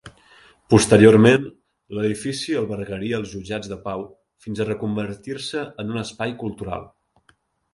Posteriorment, l'edifici albergaria els jutjats de pau fins a reconvertir-se en un espai cultural.